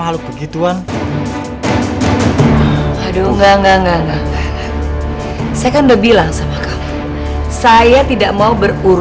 lagi pernaf norak